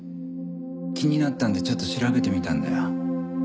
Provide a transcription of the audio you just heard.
気になったんでちょっと調べてみたんだよ。